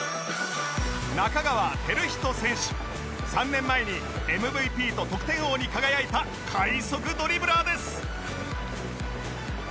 ３年前に ＭＶＰ と得点王に輝いた快速ドリブラーです